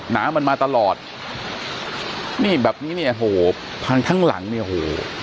น้ำมันมาตลอดนี่แบบนี้เนี่ยโหพังทั้งหลังเนี่ยโห